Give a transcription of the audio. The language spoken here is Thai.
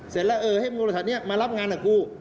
เสร็จแล้วเออให้บริษัทนี้มารับงานกับกู